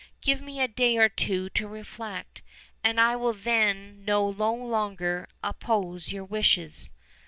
Give me a day or two to reflect, and I will then no longer oppose your wishes."